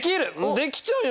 できちゃうよ